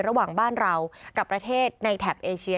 ระหว่างบ้านเรากับประเทศในแถบเอเชีย